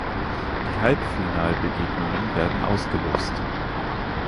Die Halbfinalbegegnungen werden ausgelost.